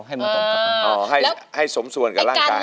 ให้สมส่วนก็ร่างกาย